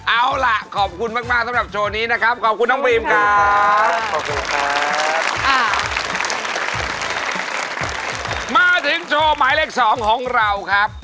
เอาล่ะขอบคุณมากสำหรับโชว์นี้นะครับ